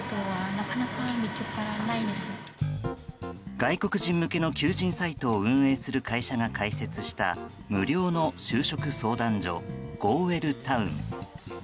外国人向けの求人サイトを運営する会社が開設した無料の就職相談所ゴーウェルタウン。